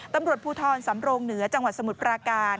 ตำรวจภูทรสำโรงเหนือจังหวัดสมุทรปราการ